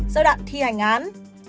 giai đoạn thi hành án